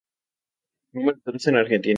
Número tres en Argentina.